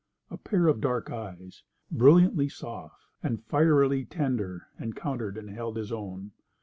A pair of dark eyes, brilliantly soft, and fierily tender, encountered and held his own.